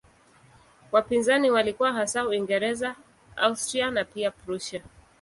Wapinzani walikuwa hasa Uingereza, Austria na pia Prussia.